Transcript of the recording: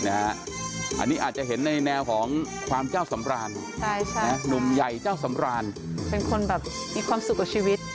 อันนี้อาจจะเห็นในแนวของความเจ้าสำราญหนุ่มใหญ่เจ้าสำรานเป็นคนแบบมีความสุขกับชีวิต